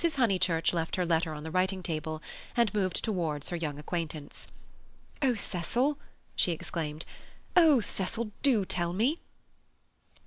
Honeychurch left her letter on the writing table and moved towards her young acquaintance. "Oh, Cecil!" she exclaimed—"oh, Cecil, do tell me!"